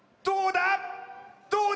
どうだ？